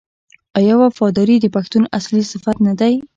آیا وفاداري د پښتون اصلي صفت نه دی؟